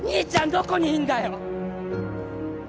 どこにいんだよ！